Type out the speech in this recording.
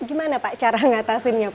gimana pak cara ngatasinnya pak